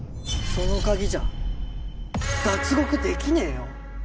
その鍵じゃ脱獄できねーよ。